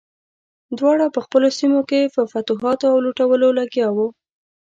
دواړه په خپلو سیمو کې په فتوحاتو او لوټلو لګیا وو.